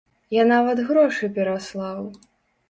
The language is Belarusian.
Я нават грошы пераслаў!